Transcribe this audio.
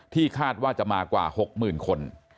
คาดว่าจะมากว่า๖๐๐๐คน